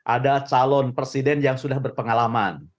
ada calon presiden yang sudah berpengalaman